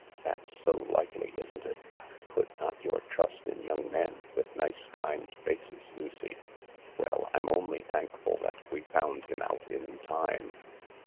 " That's so likely, isn't it ? Put not your trust in young men with nice, kind faces, Lucy. Well, I'm only thankful that we found him out in time."